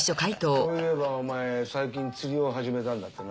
そういえばお前最近釣りを始めたんだってな。